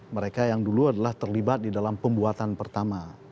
mereka yang dulu adalah terlibat di dalam pembuatan pertama